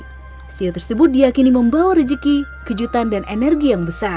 tetapi siomonyet tersebut diakini membawa rezeki kejutan dan energi yang besar